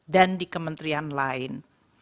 dan di kementerian lain